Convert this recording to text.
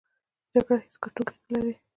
جګړه هېڅ ګټوونکی نلري!